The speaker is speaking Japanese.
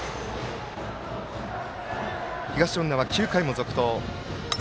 東恩納は９回も続投。